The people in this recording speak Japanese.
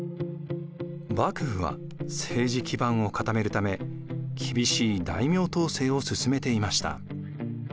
幕府は政治基盤を固めるため厳しい大名統制を進めていました。